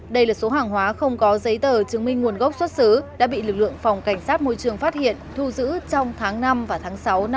đây là số hàng hóa không có giấy tờ chứng minh nguồn gốc xuất xứ đã bị lực lượng phòng cảnh sát môi trường phát hiện thu giữ trong tháng năm và tháng sáu năm hai nghìn hai mươi